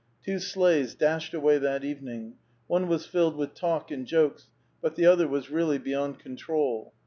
Two sleighs dashed away that evening. One was filled with talk and jokes, but the other was really beyond con trol.